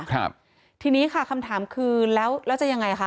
ครับทีนี้ค่ะคำถามคือแล้วแล้วจะยังไงคะ